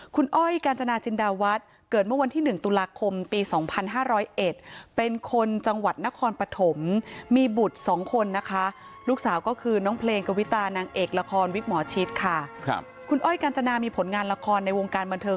คุณอ้อยกาญจนาจินดาวัดเกิดเมื่อวันที่๑ตุลาคมปี๒๕๐๑